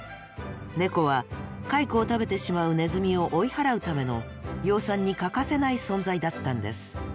ネコは蚕を食べてしまうネズミを追い払うための養蚕に欠かせない存在だったんです。